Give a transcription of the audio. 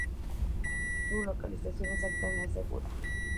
Su localización exacta no es segura.